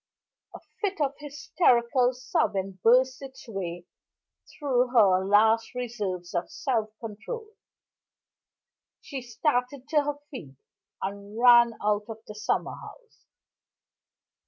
A fit of hysterical sobbing burst its way through her last reserves of self control; she started to her feet, and ran out of the summer house.